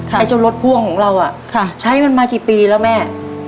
ไอ้เจ้ารถพ่วงของเราใช้มันมากี่ปีแล้วแม่